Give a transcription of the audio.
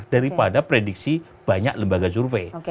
daripada prediksi banyak lembaga survei